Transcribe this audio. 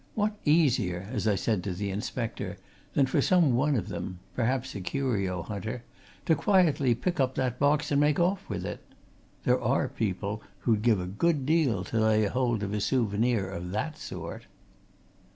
What easier, as I said to the inspector, than for some one of them perhaps a curio hunter to quietly pick up that box and make off with it? There are people who'd give a good deal to lay hold of a souvenir of that sort."